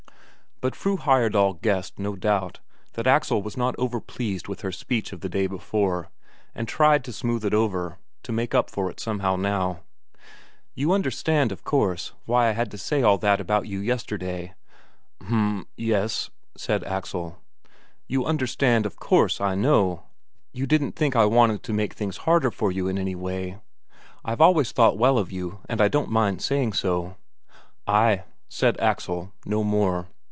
But Fru Heyerdahl guessed, no doubt, that Axel was not over pleased with her speech of the day before, and tried to smooth it over, to make up for it somehow now. "You understood, of course, why I had to say all that about you yesterday?" "H'm ye es," said Axel. "You understood, of course, I know. You didn't think I wanted to make things harder for you in any way. I've always thought well of you, and I don't mind saying so." "Ay," said Axel, no more.